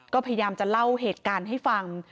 ก็พยายามจะเล่าเหตุการณ์ให้ฟัง